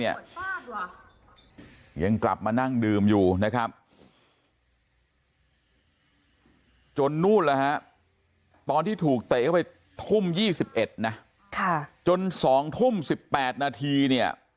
ยังกลับมานั่งดื่มอยู่จนนู่นตอนที่ถูกเตะเข้าไปทุ่ม๒๑ปีจน๒๑๘น